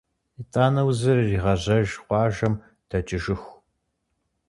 Итӏанэ узыр ирагъэжьэж къуажэм дэкӏыжыху.